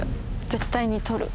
絶対に取る。